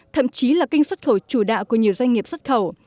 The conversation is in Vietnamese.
thậm chí là kinh xuất khẩu chủ đạo của nhiều doanh nghiệp xuất khẩu